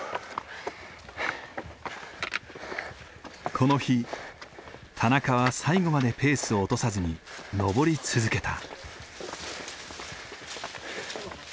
この日田中は最後までペースを落とさずに登り続けた。